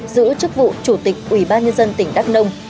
giữ chức vụ chủ tịch ủy ban nhân dân tỉnh đắk nông